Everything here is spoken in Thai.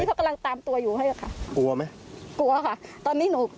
ยังไม่ได้